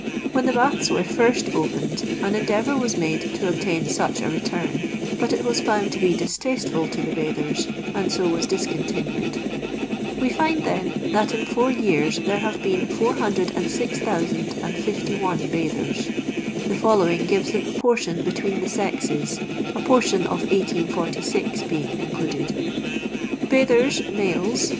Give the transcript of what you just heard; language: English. When the baths were first opened an endeavour was made to obtain such a return ; but it was found to be distasteful to the bathers, and so was discontinued. We find, then, that in four years there have been 406,051 bathers. The following gives the proportion between the sexes, a portion of 1846 being included :— Bathers—Males